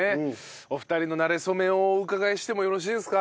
お二人のなれそめをお伺いしてもよろしいですか？